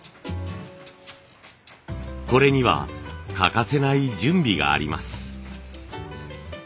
これには欠かせない準備があります。